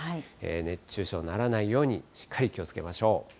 熱中症にならないように、しっかり気をつけましょう。